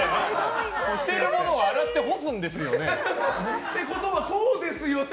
捨てるものを洗って干すんですよね？ということはこうですよね？